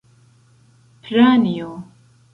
Pranjo!